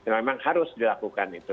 memang harus dilakukan itu